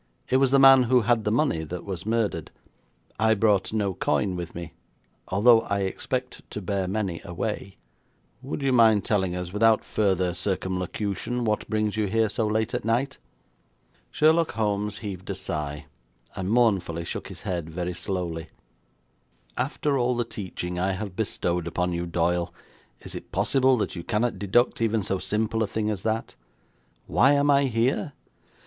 It was the man who had the money that was murdered. I brought no coin with me, although I expect to bear many away.' 'Would you mind telling us, without further circumlocution, what brings you here so late at night?' Sherlock Holmes heaved a sigh, and mournfully shook his head very slowly. 'After all the teaching I have bestowed upon you, Doyle, is it possible that you cannot deduct even so simple a thing as that? Why am I here?